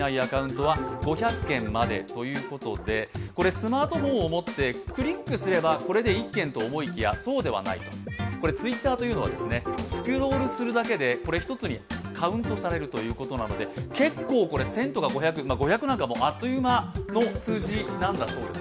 スマートフォンを持ってクリックすれば、これで１件と思いきや、そうではないとＴｗｉｔｔｅｒというのはスクロールするだけで、１つにカウントされるということで５００なんか、あっという間の数字なんだそうです。